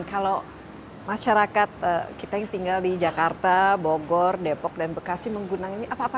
kalau masyarakat kita yang tinggal di jakarta bogor depok dan bekasi menggunakan ini apa apa